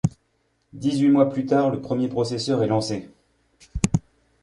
Dix-huit mois plus tard, le premier processeur est lancé.